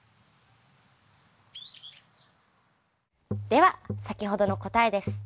では先ほどの答えです。